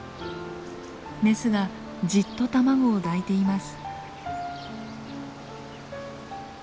メスがじっと卵を抱いています。